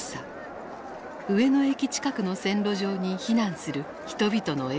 上野駅近くの線路上に避難する人々の映像である。